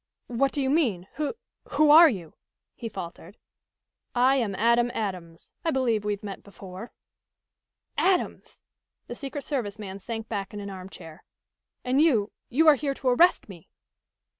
"What do you mean? Wh who are you?" he faltered. "I am Adam Adams. I believe we have met before." "Adams!" The secret service man sank back in an armchair. "And you you are here to arrest me?"